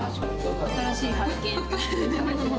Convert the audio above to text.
新しい発見。